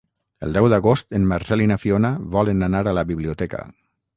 El deu d'agost en Marcel i na Fiona volen anar a la biblioteca.